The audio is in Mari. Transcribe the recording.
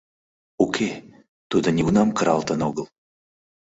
Уке, тудо нигунам кыралтын огыл.